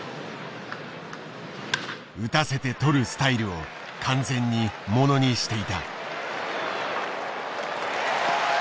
打たせてとるスタイルを完全にものにしていた。